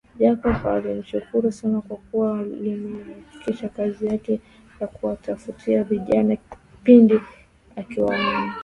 Jacob alimshukuru sana kwa kuwa ilimrahisishia kazi yake ya kuwatofautisha vijana pindi akiwaona